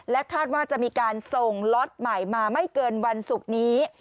คาดว่าจะมีการส่งล็อตใหม่มาไม่เกินวันศุกร์นี้